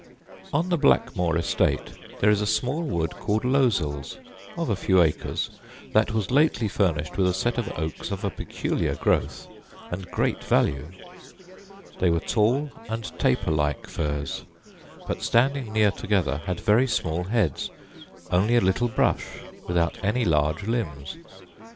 On the Blackmoor estate there is a small wood called Losel's, of a few acres, that was lately furnished with a set of oaks of a peculiar growth and great value; they were tall and taper like firs, but standing near together had very small heads, only a little brush without any large limbs.